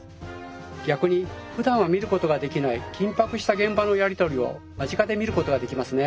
逆にふだんは見ることができない緊迫した現場のやり取りを間近で見ることができますね。